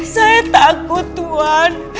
saya takut tuhan